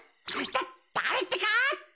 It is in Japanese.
だだれってか？